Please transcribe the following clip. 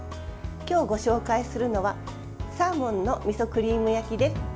今日ご紹介するのはサーモンのみそクリーム焼きです。